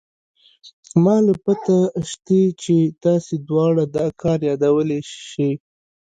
ما له پته شتې چې تاسې دواړه دا کار يادولې شې.